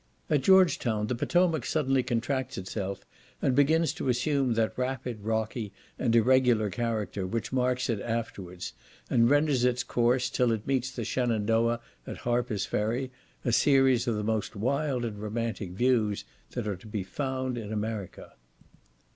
At George Town the Potomac suddenly contracts itself, and begins to assume that rapid, rocky and irregular character which marks it afterwards, and renders its course, till it meets the Shenandoah at Harper's Ferry, a series of the most wild and romantic views that are to be found in America.